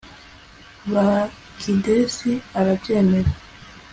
bakidesi arabyemera